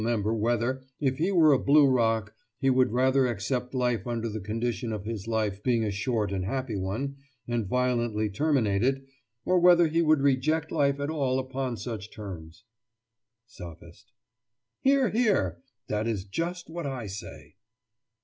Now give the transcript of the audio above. member whether, if he were a blue rock, he would rather accept life under the condition of his life being a short and happy one, and violently terminated, or whether he would reject life at all upon such terms." SOPHIST: Hear, hear! That is just what I say.